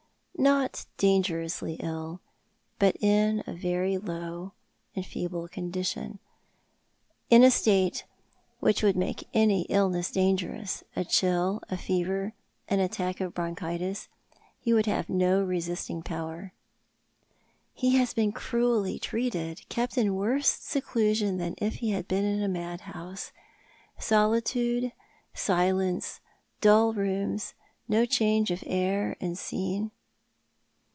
" Not dangerously ill, but in a very low and feeble condition ; in a state which would make any illness dangerous — a chill, a fever, an attack of bronchitis. He would have no resisting power." " He has been cruelly treated, kept in worse seclusion than if he had been in a madhouse — solitude, silence, dull rooms, no change of air and scene."